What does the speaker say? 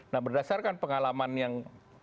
nah berdasarkan pengalaman yang